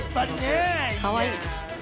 かわいい。